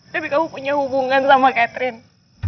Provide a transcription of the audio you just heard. tapi kamu punya hubungan sama catherine